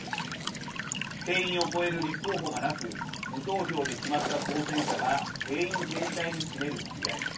定員を超える立候補がなく無投票で決まった当選者が定員全体に占める割合